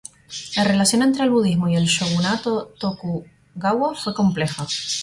La relación entre el budismo y el shogunato Tokugawa fue compleja.